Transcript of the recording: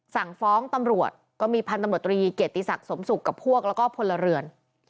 สั่งฟ้องตำรวจก็มีพันธุ์ตำรวจตรีเกียรติศักดิ์สมศุกร์กับพวกแล้วก็พลเรือน